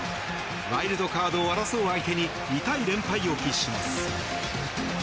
ワイルドカードを争う相手に痛い連敗を喫します。